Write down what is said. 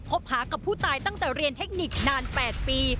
บหากับผู้ตายตั้งแต่เรียนเทคนิคนาน๘ปี